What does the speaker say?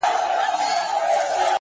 مهرباني بې له لګښته شتمني ده